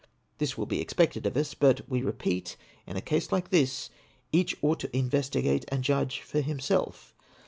This will be expected of us ; but, we repeat, in a case like this, each ought to investigate and judge for himself.